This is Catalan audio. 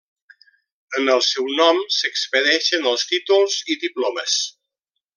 En el seu nom s'expedeixen els títols i diplomes.